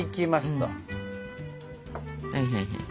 はいはいはいはい。